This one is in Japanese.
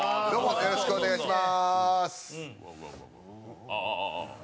よろしくお願いします。